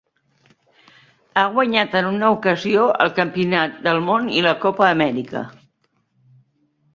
Ha guanyat en una ocasió el campionat del món i la Copa Amèrica.